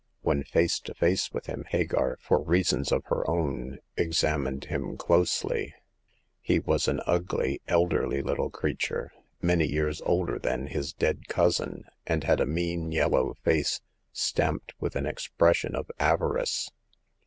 When face to face with him, Hagar, for reasons of her own, ex amined him closely. He was an ugly, elderly little creature, many years older than his dead cousin, and had a mean yellow face, stamped with an expression of avarice.